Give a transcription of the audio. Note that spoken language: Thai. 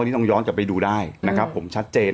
อันนี้ต้องย้อนจะไปดูได้นะครับผมชัดเจน